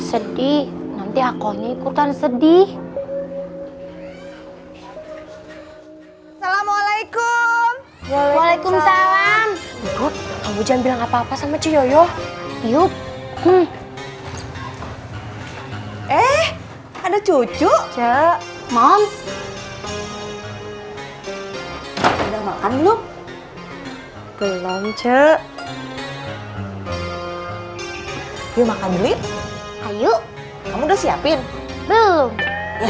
sampai jumpa di video selanjutnya